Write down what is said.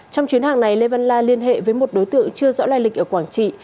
trong chuyến hàng này lê văn la liên hệ với một đối tượng chưa rõ lai lịch ở quảng trị